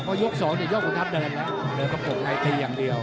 พอยก๒ยกของทัพเดินนะเดินก็ปกไลน์เตียงเดียว